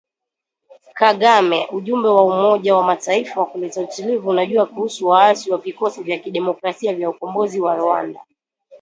Kagame: Ujumbe wa Umoja wa Mataifa wa kuleta utulivu unajua kuhusu waasi wa Vikosi vya Kidemokrasia vya Ukombozi wa Rwanda.